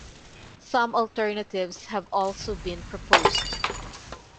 Some alternatives have also been proposed.